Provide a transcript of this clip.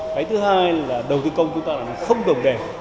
cái thứ hai là đầu tư công của chúng ta nó không đồng đề